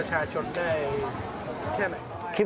คนที่คุณรอคอยครับ